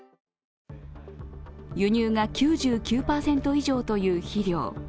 輸入が９９％以上という肥料。